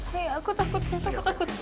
saya takut mas aku takut